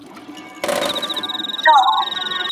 چي لیکلی چا غزل وي بې الهامه